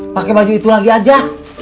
pakai baju itu lagi aja